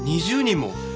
２０人も？